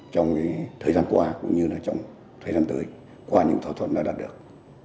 trong thời gian qua cũng như là trong thời gian tới qua những thỏa thuận đã đạt được